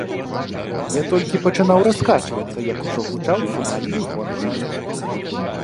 Я толькі пачынаў раскачвацца, як ужо гучаў фінальны гонг.